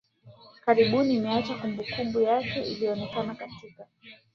karibuni imeacha kumbukumbu yake inayoonekana katika